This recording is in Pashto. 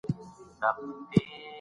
ماشومانو ته باید ډاډ ورکړل سي.